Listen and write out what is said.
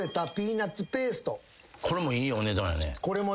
これもいいお値段やね。